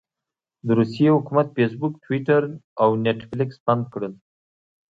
د روسيې حکومت فیسبوک، ټویټر او نیټفلکس بند کړل.